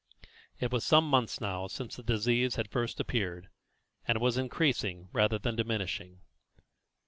It was some months now since the disease had first appeared, and it was increasing rather than diminishing.